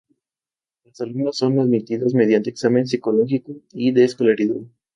Los alumnos son admitidos mediante examen psicológico y de escolaridad.